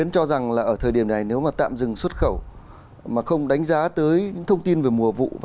so với cùng kỳ năm hai nghìn một mươi chín